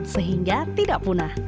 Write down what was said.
sehingga tidak punah